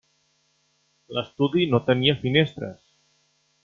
L'estudi no tenia finestres.